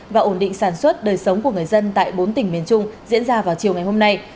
và ổn định sản xuất đời sống của người dân tại bốn tỉnh miền trung diễn ra vào chiều ngày hôm nay